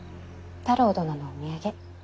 太郎殿のお土産。